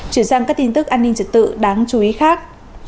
chuyển sang các tin tức an ninh trật tự đáng chú ý khác